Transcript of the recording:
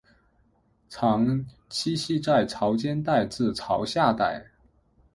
常栖息在潮间带至潮下带。